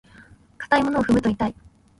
硬いものを踏むと痛い。